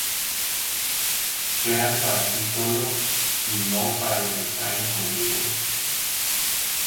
Sean para ti solo, Y no para los extraños contigo.